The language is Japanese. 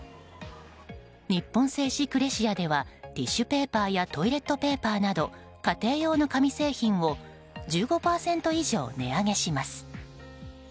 日本製紙クレシアではティッシュペーパーやトイレットペーパーなど家庭用の紙製品を１５％以上値上げします。